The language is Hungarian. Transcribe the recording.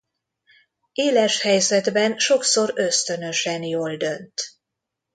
Éles helyzetben sokszor ösztönösen jól dönt.